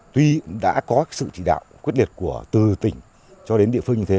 tuy đã có sự chỉ đạo quyết liệt của từ tỉnh cho đến địa phương như thế